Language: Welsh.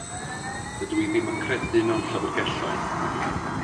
Dydw i ddim yn credu mewn llyfrgelloedd.